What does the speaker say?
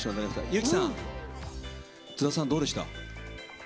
ＹＵ‐ＫＩさん津田さん、どうでした？